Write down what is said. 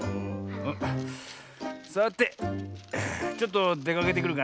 さてちょっとでかけてくるかなあ。